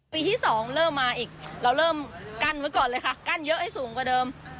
ที่สองเริ่มมาอีกเราเริ่มกั้นไว้ก่อนเลยค่ะกั้นเยอะให้สูงกว่าเดิม